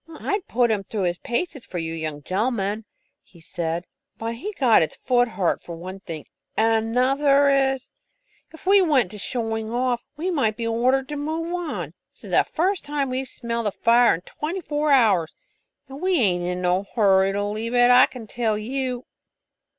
"I'd put him through his paces for you young gen'lemen," he said, "but he got his foot hurt for one thing, and another is, if we went to showing off, we might be ordered to move on. This is the first time we've smelled a fire in twenty four hours, and we ain't in no hurry to leave it, I can tell you."